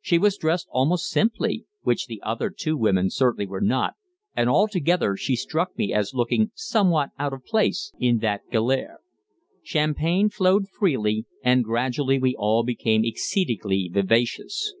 She was dressed almost simply, which the other two women certainly were not, and altogether she struck me as looking somewhat out of place in that galère. Champagne flowed freely, and gradually we all became exceedingly vivacious.